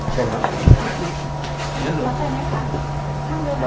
สวัสดีครับ